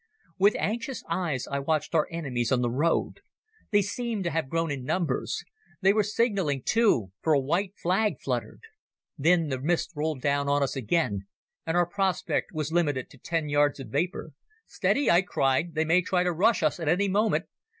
With anxious eyes I watched our enemies on the road. They seemed to have grown in numbers. They were signalling, too, for a white flag fluttered. Then the mist rolled down on us again, and our prospect was limited to ten yards of vapour. "Steady," I cried; "they may try to rush us at any moment.